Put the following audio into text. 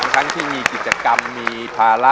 ทั้งที่มีกิจกรรมมีภาระ